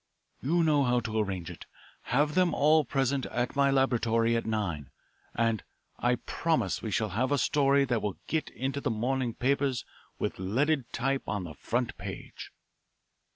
You know how to arrange it. Have them all present at my laboratory at nine, and I promise we shall have a story that will get into the morning papers with leaded type on the front page."